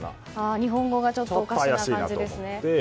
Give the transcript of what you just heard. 日本語がちょっとおかしな感じですね。